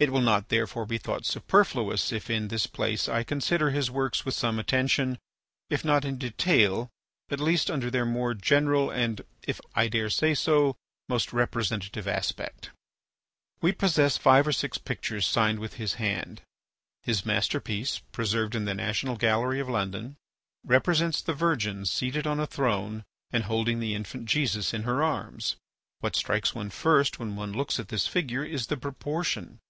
It will not therefore be thought superfluous if in this place I consider his works with some attention, if not in detail, at least under their more general and, if I dare say so, most representative aspect. We possess five or six pictures signed with his hand. His masterpiece, preserved in the National Gallery of London, represents the Virgin seated on a throne and holding the infant Jesus in her arms. What strikes one first when one looks at this figure is the proportion.